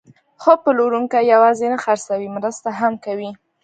ښه پلورونکی یوازې نه خرڅوي، مرسته هم کوي.